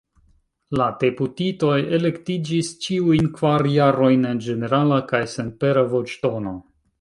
La deputitoj elektiĝis ĉiujn kvar jarojn en ĝenerala kaj senpera voĉdono.